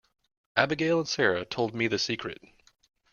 Abigail and Sara told me the secret.